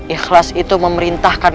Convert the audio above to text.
ikhlas itu memerintahkan